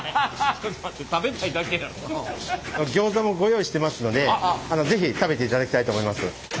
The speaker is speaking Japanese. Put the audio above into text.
ちょっと待ってギョーザもご用意してますので是非食べていただきたいと思います。